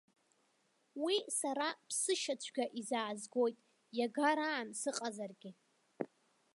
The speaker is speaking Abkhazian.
Уи сара ԥсышьацәгьа изаазгоит, иагараан сыҟазаргьы!